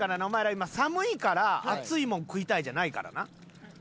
お前ら今寒いから熱いもん食いたいじゃないからな。